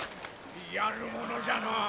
やるものじゃなあ。